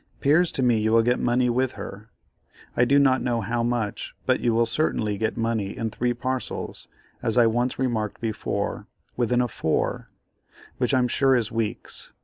'Pears to me you will get money with her, I do not know how much, but you will certainly get money in three parcels, as I once remarked before, within a 4, which I'm sure is weeks.